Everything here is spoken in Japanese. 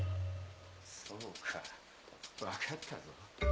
そうか分かったぞ。